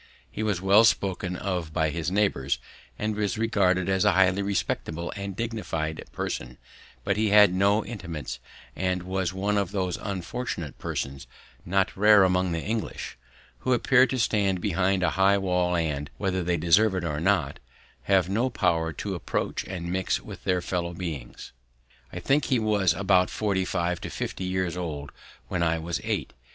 He was well spoken of by his neighbours, and was regarded as a highly respectable and dignified person, but he had no intimates and was one of those unfortunate persons, not rare among the English, who appear to stand behind a high wall and, whether they desire it or not, have no power to approach and mix with their fellow beings. I think he was about forty five to fifty years old when I was eight.